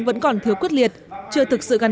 vẫn còn thiếu quyết liệt chưa thực sự gắn